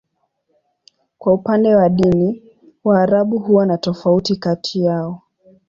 Kwa upande wa dini, Waarabu huwa na tofauti kati yao.